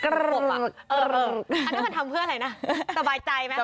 อันนี้มันทำเพื่ออะไรนะสบายใจไหม